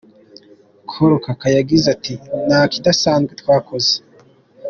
Col Kaka yagize ati “Nta kidasanzwe twakoze.